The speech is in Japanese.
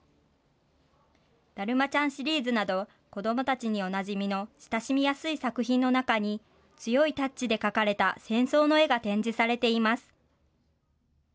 だるまちゃんシリーズなど子どもたちにおなじみの親しみやすい作品の中に強いタッチで描かれた戦争の絵が展示されています。